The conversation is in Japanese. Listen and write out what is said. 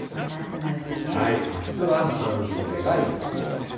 あすは半袖がよさそうです。